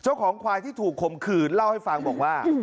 เจ้าของควายที่ถูกคมขืนเล่าให้ฟังบอกว่า